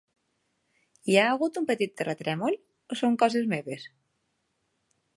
Hi ha hagut un petit terratrèmol o són coses meves?